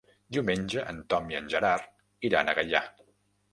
Diumenge en Tom i en Gerard iran a Gaià.